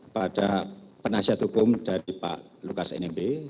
pada penasihat hukum dari pak lukas nmb